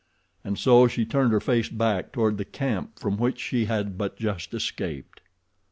And so she turned her face back toward the camp from which she had but just escaped.